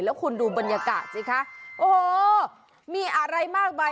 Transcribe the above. แล้วคุณดูบรรยากาศสิคะโอ้โหมีอะไรมากมาย